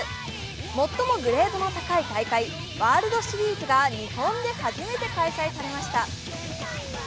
最もグレードの高い大会、ワールドシリーズが日本で初めて開催されました。